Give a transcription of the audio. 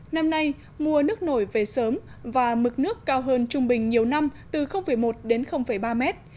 năm nay mùa nước nổi về sớm và mực nước cao hơn trung bình nhiều năm từ một đến ba mét